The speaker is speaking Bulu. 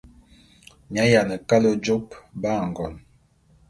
Mi ayiane kale jôp ba ngon.